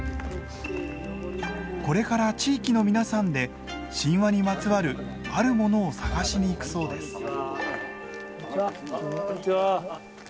これから地域の皆さんで神話にまつわるあるものを探しに行くそうです。